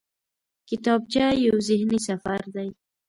کتابچه یو ذهني سفر دی